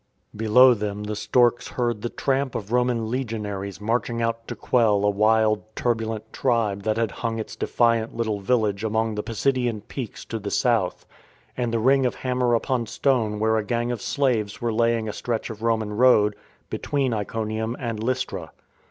Below them the storks heard the tramp of Roman legionaries marching out to quell a wild, turbulent tribe that had hung its defiant little village among the Pisidian peaks to the South; and the ring of ham mer upon stone where a gang of slaves were laying a stretch of Roman road between Iconium and Lystra.